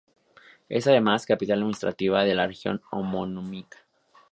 Es, además, capital administrativa de la región homónima.